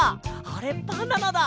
あれバナナだ！